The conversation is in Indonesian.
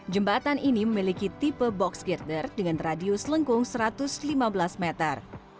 jembatan ini memiliki tipe box girder dengan radius lengkung satu ratus lima belas meter